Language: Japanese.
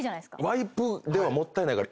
ワイプではもったいないから。